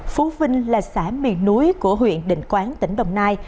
phú vinh là xã miền núi của huyện định quán tỉnh đồng nai